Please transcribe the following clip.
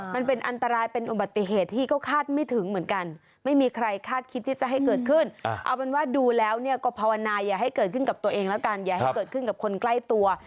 มันเป็นอันตรายเป็นอุบัติเหตุที่ก็คาดไม่ถึงเหมือนกันไม่มีใครคาดคิดที่จะให้เกิดขึ้นเอาเป็นว่าดูแล้วเนี่ยก็ภาวนาอย่าให้เกิดขึ้นกับตัวเองแล้วกันอย่าให้เกิดขึ้นกับคนใกล้ตัว